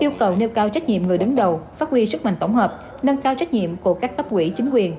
yêu cầu nêu cao trách nhiệm người đứng đầu phát huy sức mạnh tổng hợp nâng cao trách nhiệm của các cấp quỹ chính quyền